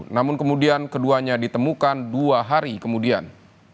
namun kemudian keduanya ditemukan dua hari kemudian